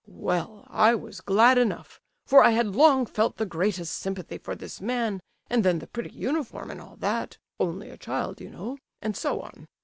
"Well, I was glad enough, for I had long felt the greatest sympathy for this man; and then the pretty uniform and all that—only a child, you know—and so on.